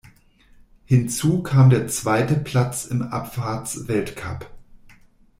Hinzu kam der zweite Platz im Abfahrtsweltcup.